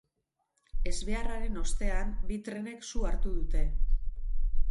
Ezbeharraren ostean, bi trenek su hartu dute.